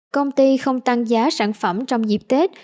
công ty không tăng giá sản phẩm trong dịp tết